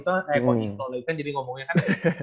kayaknya dia yang jadi ngomongnya kan